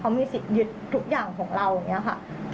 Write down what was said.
เขามีสิทธิ์ยึดทุกอย่างของเราอย่างนี้ค่ะ